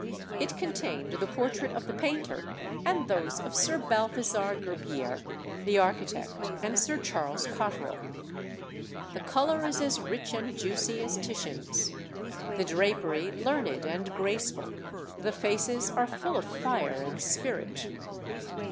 It contained the portrait of the painter and those of Sir Balthasar Gerbier, the architect, and Sir Charles Cotterell. The colour is as rich and juicy as Titian's, the drapery learned and graceful, the faces are full of fire and spirit.